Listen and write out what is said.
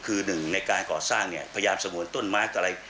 คือหนึ่งในการก่อสร้างเนี่ยพยายามสงวนต้นไม้อะไร